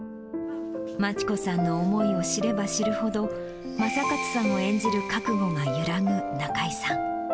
真知子さんの思いを知れば知るほど、正勝さんを演じる覚悟が揺らぐ中井さん。